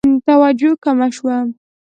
توجه کمه شوه.